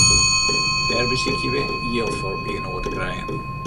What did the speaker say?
Dêr besykje we jild foar byinoar te krijen.